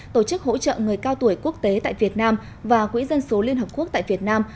tổ chức hỗ trợ người cao tuổi quốc tế tại việt nam và quỹ dân số liên hợp quốc tại việt nam